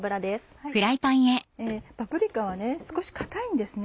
パプリカは少し硬いんですね。